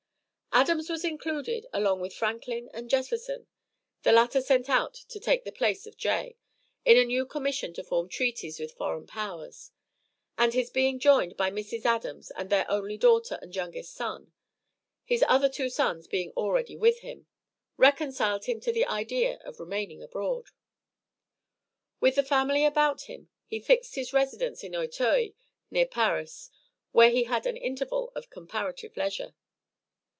Adams was included along with Franklin and Jefferson, the latter sent out to take the place of Jay, in a new commission to form treaties with foreign powers; and his being joined by Mrs. Adams and their only daughter and youngest son, his other two sons being already with him, reconciled him to the idea of remaining abroad. With his family about him he fixed his residence at Auteuil, near Paris, where he had an interval of comparative leisure.